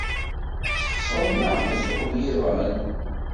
Sxesṛen-aɣ zzhu yiḍan.